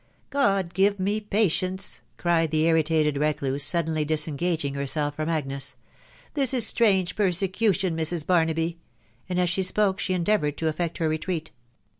" God give me patience !" cried the irritated recluse, sud denly disengaging herself from Agnes. " This is strange persecution, Mrs. Barnaby," and as she spoke she endeavoured to effect her retreat.